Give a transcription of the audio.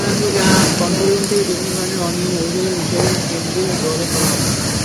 Control room থেকে যেকোনো ধরনের অনিয়ম, অভিযোগের বিষয়ে কেন্দ্রে যোগাযোগ করা হবে।